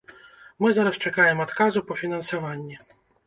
Мы зараз чакаем адказу па фінансаванні.